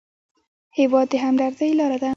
هېواد د همدردۍ لاره ده.